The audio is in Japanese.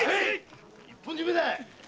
一本締めだ！